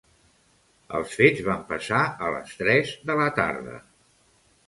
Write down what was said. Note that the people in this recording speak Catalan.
Els fets van passar a les tres de la tarda.